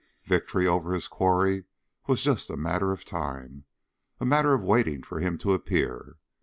Victory over his quarry was just a matter of time, a matter of waiting for him to appear.